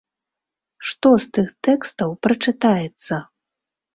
Што з тых тэкстаў прачытаецца?